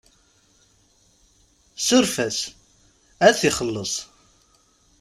Suref-as ad t-ixelleṣ.